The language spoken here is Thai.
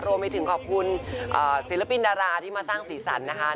รวมไปถึงขอบคุณศิลปินดาราที่มาสร้างสีสันนะคะ